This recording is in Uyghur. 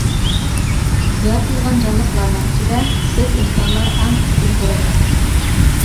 يارىتىلغان جانلىقلارنىڭ ئىچىدە بىز ئىنسانلار ئەڭ ئۈستۈن تۇرىمىز.